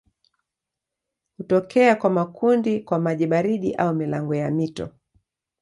Hutokea kwa makundi kwa maji baridi au milango ya mito.